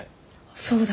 そうだ。